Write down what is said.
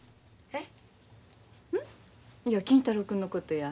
えっ？